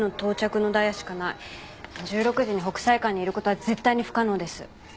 １６時に北斎館にいる事は絶対に不可能です。